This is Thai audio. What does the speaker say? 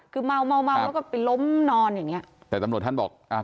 คือเมาเมาแล้วก็ไปล้มนอนอย่างเงี้ยแต่ตำรวจท่านบอกอ่า